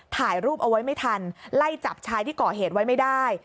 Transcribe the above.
ถ่ายรูปเอาไว้ไม่ทันไล่จับชายที่ก่อเหตุไว้ไม่ได้